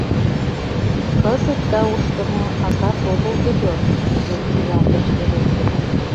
— Кызыт тауштымо азап огыл тудо... — кугун шӱлалтыш Ерохин.